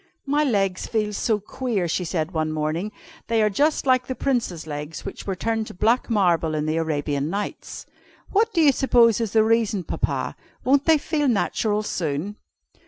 "My legs feel so queer," she said one morning, "they are just like the Prince's legs which were turned to black marble in the Arabian Nights. What do you suppose is the reason, Papa? Won't they feel natural soon?"